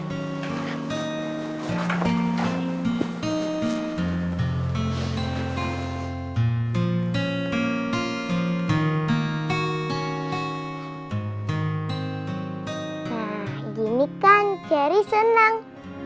nah gini kan cari senang